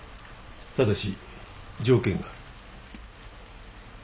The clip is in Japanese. ただし条件がある。